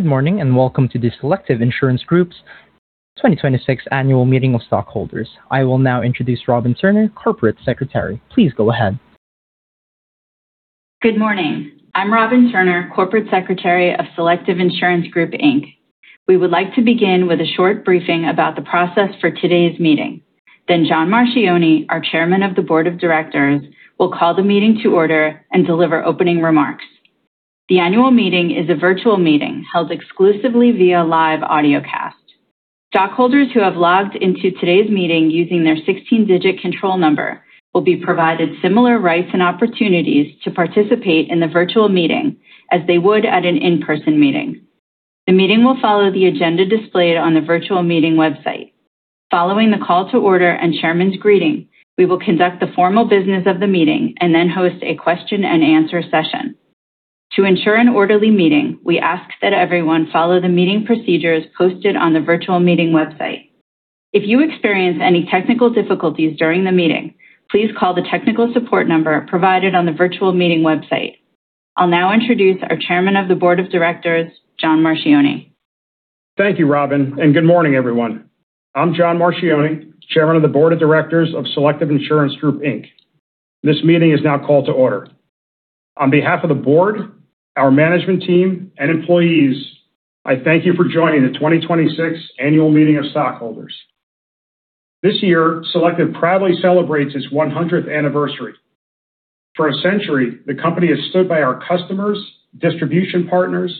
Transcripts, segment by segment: Good morning, welcome to the Selective Insurance Group's 2026 Annual Meeting of Stockholders. I will now introduce Robyn Turner, Corporate Secretary. Please go ahead. Good morning. I'm Robyn Turner, Corporate Secretary of Selective Insurance Group, Inc. We would like to begin with a short briefing about the process for today's meeting. John Marchioni, our Chairman of the Board of Directors, will call the meeting to order and deliver opening remarks. The annual meeting is a virtual meeting held exclusively via live audiocast. Stockholders who have logged into today's meeting using their 16-digit control number will be provided similar rights and opportunities to participate in the virtual meeting as they would at an in-person meeting. The meeting will follow the agenda displayed on the virtual meeting website. Following the call to order and Chairman's greeting, we will conduct the formal business of the meeting and then host a question-and-answer session. To ensure an orderly meeting, we ask that everyone follow the meeting procedures posted on the virtual meeting website. If you experience any technical difficulties during the meeting, please call the technical support number provided on the virtual meeting website. I'll now introduce our Chairman of the Board of Directors, John Marchioni. Thank you, Robyn, and good morning, everyone. I'm John Marchioni, Chairman of the Board of Directors of Selective Insurance Group, Inc. This meeting is now called to order. On behalf of the board, our management team and employees, I thank you for joining the 2026 Annual Meeting of Stockholders. This year, Selective proudly celebrates its 100th anniversary. For a century, the company has stood by our customers, distribution partners,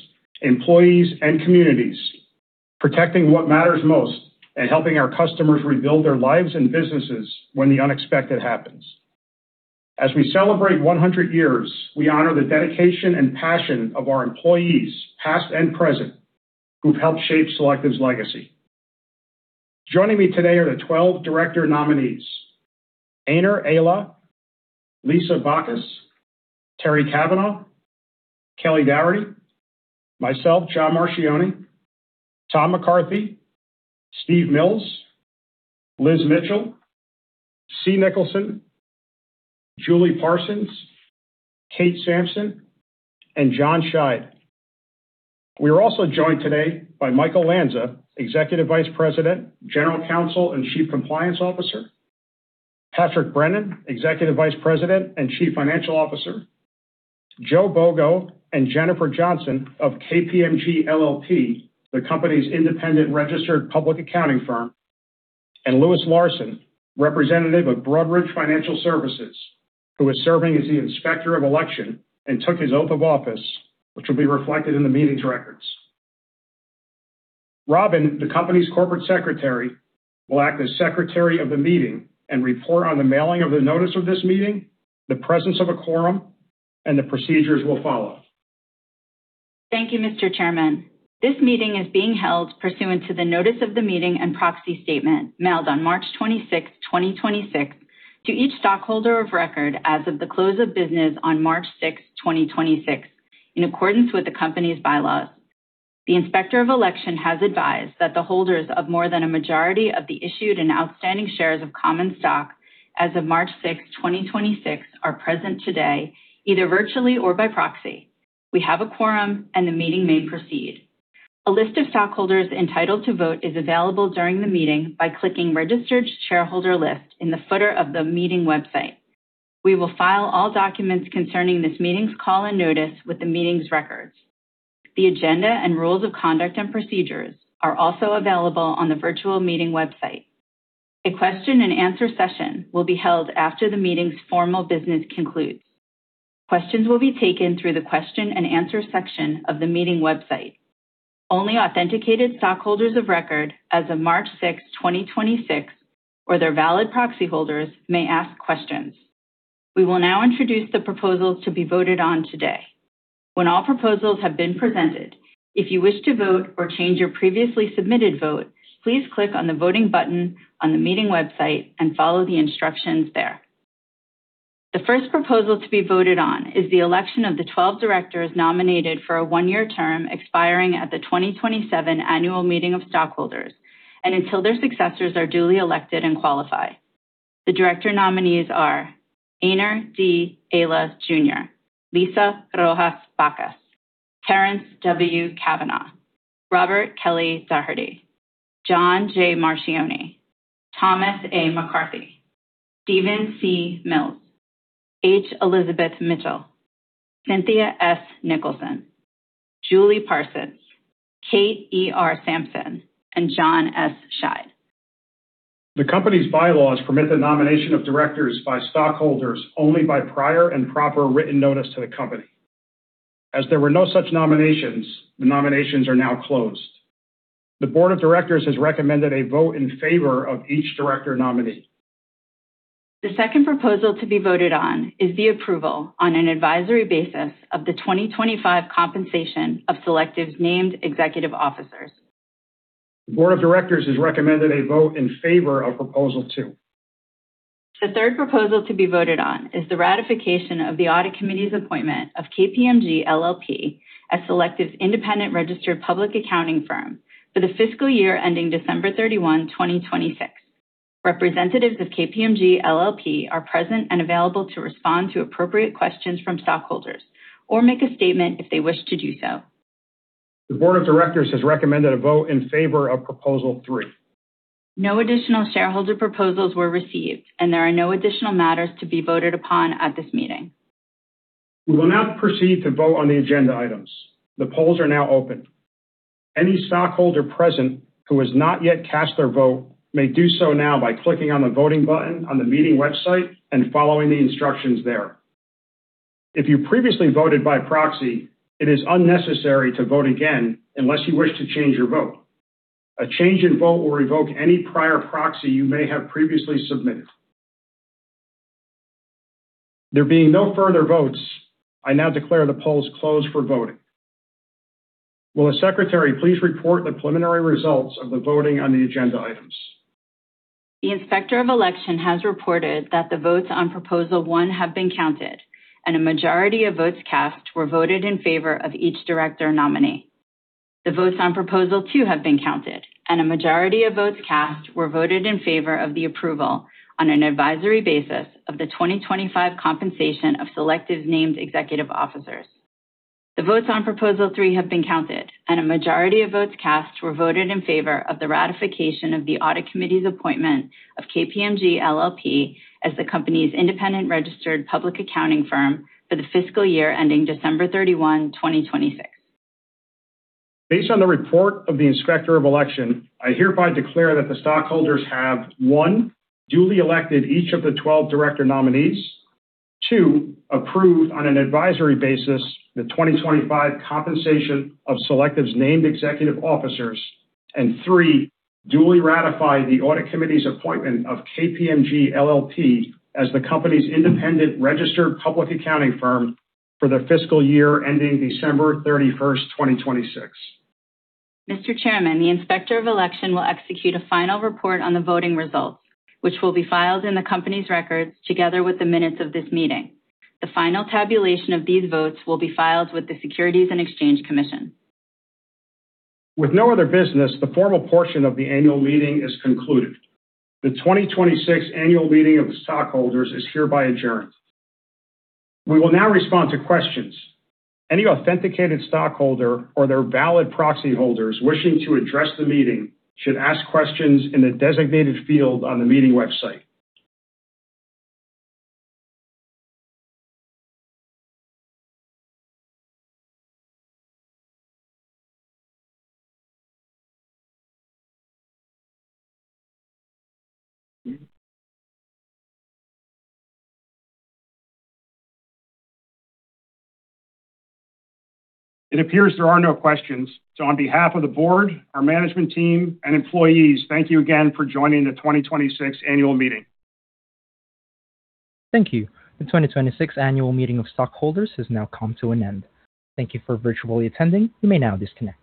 employees and communities, protecting what matters most and helping our customers rebuild their lives and businesses when the unexpected happens. As we celebrate 100 years, we honor the dedication and passion of our employees, past and present, who've helped shape Selective's legacy. Joining me today are the 12 director nominees, Ainar Aijala, Lisa Bacus, Terry Cavanaugh, Kelly Doherty, myself, John Marchioni, Tom McCarthy, Steve Mills, Elizabeth Mitchell, C. Nicholson, Julie Parsons, Kate Sampson, and John Scheid. We are also joined today by Michael Lanza, Executive Vice President, General Counsel, and Chief Compliance Officer, Patrick Brennan, Executive Vice President and Chief Financial Officer, Joe Mbogo and Jennifer Johnson of KPMG LLP, the company's independent registered public accounting firm, and Louis Larson, representative of Broadridge Financial Services, who is serving as the inspector of election and took his oath of office, which will be reflected in the meeting's records. Robyn, the company's Corporate Secretary, will act as secretary of the meeting and report on the mailing of the notice of this meeting, the presence of a quorum, and the procedures we'll follow. Thank you, Mr. Chairman. This meeting is being held pursuant to the notice of the meeting and proxy statement mailed on March 26th, 2026 to each stockholder of record as of the close of business on March 6th, 2026, in accordance with the company's bylaws. The inspector of election has advised that the holders of more than a majority of the issued and outstanding shares of common stock as of March 6th, 2026 are present today, either virtually or by proxy. We have a quorum. The meeting may proceed. A list of stockholders entitled to vote is available during the meeting by clicking Registered Shareholder List in the footer of the meeting website. We will file all documents concerning this meeting's call and notice with the meeting's records. The agenda and rules of conduct and procedures are also available on the virtual meeting website. A question-and-answer session will be held after the meeting's formal business concludes. Questions will be taken through the question-and-answer section of the meeting website. Only authenticated stockholders of record as of March 6th, 2026 or their valid proxy holders may ask questions. We will now introduce the proposals to be voted on today. When all proposals have been presented, if you wish to vote or change your previously submitted vote, please click on the voting button on the meeting website and follow the instructions there. The first proposal to be voted on is the election of the 12 directors nominated for a one-year term expiring at the 2027 annual meeting of stockholders and until their successors are duly elected and qualify. The director nominees are Ainar D. Aijala, Jr., Lisa Rojas Bacus, Terrence W. Cavanaugh, Robert Kelly Doherty, John J. Marchioni, Thomas A. McCarthy. Stephen C. Mills, H. Elizabeth Mitchell, Cynthia S. Nicholson, Julie Parsons, Kate E. R. Sampson, and John S. Scheid. The company's bylaws permit the nomination of directors by stockholders only by prior and proper written notice to the company. As there were no such nominations, the nominations are now closed. The board of directors has recommended a vote in favor of each director nominee. The second proposal to be voted on is the approval on an advisory basis of the 2025 compensation of Selective's named executive officers. The board of directors has recommended a vote in favor of proposal 2. The third proposal to be voted on is the ratification of the audit committee's appointment of KPMG LLP as Selective's independent registered public accounting firm for the fiscal year ending December 31, 2026. Representatives of KPMG LLP are present and available to respond to appropriate questions from stockholders or make a statement if they wish to do so. The board of directors has recommended a vote in favor of proposal three. No additional shareholder proposals were received, and there are no additional matters to be voted upon at this meeting. We will now proceed to vote on the agenda items. The polls are now open. Any stockholder present who has not yet cast their vote may do so now by clicking on the voting button on the meeting website and following the instructions there. If you previously voted by proxy, it is unnecessary to vote again unless you wish to change your vote. A change in vote will revoke any prior proxy you may have previously submitted. Being no further votes, I now declare the polls closed for voting. Will the Secretary please report the preliminary results of the voting on the agenda items? The Inspector of Election has reported that the votes on proposal one have been counted, and a majority of votes cast were voted in favor of each director nominee. The votes on proposal two have been counted, and a majority of votes cast were voted in favor of the approval on an advisory basis of the 2025 compensation of Selective's named executive officers. The votes on proposal three have been counted, and a majority of votes cast were voted in favor of the ratification of the Audit Committee's appointment of KPMG LLP as the company's independent registered public accounting firm for the fiscal year ending December 31, 2026. Based on the report of the Inspector of Election, I hereby declare that the stockholders have, one, duly elected each of the 12 director nominees. Two, approved on an advisory basis the 2025 compensation of Selective's named executive officers. Three, duly ratified the audit committee's appointment of KPMG LLP as the company's independent registered public accounting firm for the fiscal year ending December 31st, 2026. Mr. Chairman, the Inspector of Election will execute a final report on the voting results, which will be filed in the company's records together with the minutes of this meeting. The final tabulation of these votes will be filed with the Securities and Exchange Commission. With no other business, the formal portion of the annual meeting is concluded. The 2026 annual meeting of the stockholders is hereby adjourned. We will now respond to questions. Any authenticated stockholder or their valid proxy holders wishing to address the meeting should ask questions in the designated field on the meeting website. It appears there are no questions, so on behalf of the board, our management team, and employees, thank you again for joining the 2026 annual meeting. Thank you. The 2026 annual meeting of stockholders has now come to an end. Thank you for virtually attending. You may now disconnect.